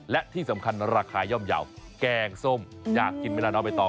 และที่สำคัญราคาย่อมแกงส้มอยากกินไหมล่ะน้องเอาไปต่อ